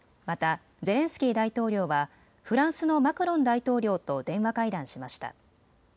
またゼレンスキー大統領はフランスのマクロン大統領と電話会談しました。